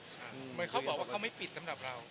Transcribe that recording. เหมือนเขาบอกว่าเขาไม่ปิดตำรับเรา